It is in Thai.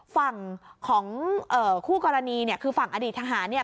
ฝั่งของเอ่อคู่กรณีเนี่ยคือฝั่งอดีตทหารเนี่ย